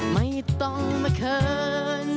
ไม่ต้องมาเขิน